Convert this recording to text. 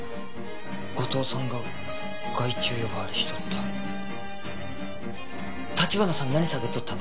後藤さんが害虫よばわりしとった橘さん何探っとったの？